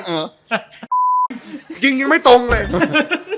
จริงไม่ตรงเลย